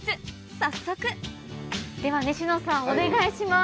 早速では西野さんお願いします。